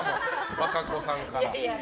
和歌子さんから。